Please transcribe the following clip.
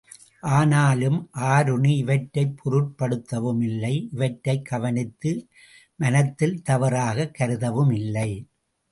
ஆனாலும் ஆருணி இவற்றைப் போருட்படுத்தவும் இல்லை இவற்றைக் கவனித்து மனத்தில் தவறாகக் கருதவும் இல்லை.